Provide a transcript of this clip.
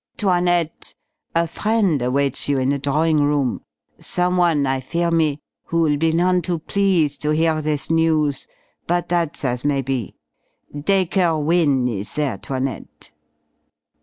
"'Toinette, a friend awaits you in the drawing room. Someone, I fear me, who will be none too pleased to hear this news, but that's as may be. Dacre Wynne is there, 'Toinette."